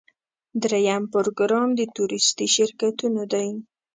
دریم پروګرام د تورېستي شرکتونو دی.